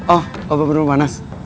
oh obat penurun panas